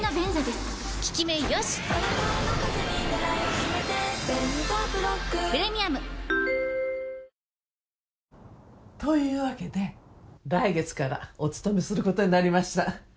ここで働くんだよ。というわけで来月からお勤めすることになりました。